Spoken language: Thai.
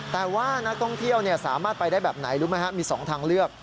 แต่ว่านักท่องเที่ยวสามารถไปได้แบบไหนรู้ไหมครับมี๒ทางเลือก